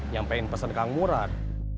yang pengen pesen kang murad